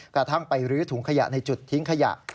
กระทั่งไปรื้อถุงขยะในจุดทิ้งขยะ